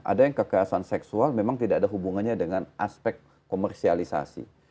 ada yang kekerasan seksual memang tidak ada hubungannya dengan aspek komersialisasi